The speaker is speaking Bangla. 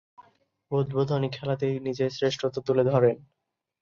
উদ্বোধনী খেলাতেই নিজের শ্রেষ্ঠত্ব তুলে ধরেন।